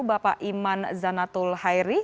bapak iman zanatul hairi